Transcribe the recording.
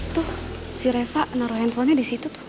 tuh si reva naruh handphonenya disitu tuh